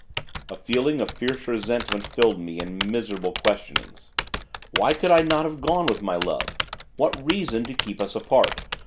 A feeling of fierce resentment filled me, and miserable questionings. Why could I not have gone with my Love? What reason to keep us apart?